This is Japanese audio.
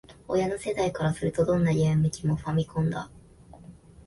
親の世代からすると、どんなゲーム機も「ファミコン」だ